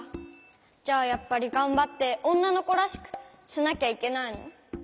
じゃあやっぱりがんばって「おんなのこらしく」しなきゃいけないの？